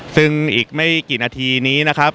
ซึ่งอีกไม่กี่นาทีนี้นะครับ